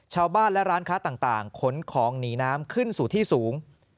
ชาวบ้านและร้านค้าต่างขนของหนีน้ำขึ้นสู่ที่สูง